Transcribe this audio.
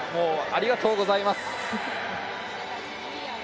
ありがとうございます。